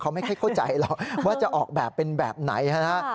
เขาไม่ค่อยเข้าใจหรอกว่าจะออกแบบเป็นแบบไหนฮะ